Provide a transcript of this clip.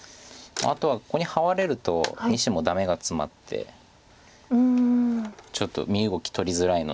あとはここにハワれると２子もダメがツマってちょっと身動きとりづらいので。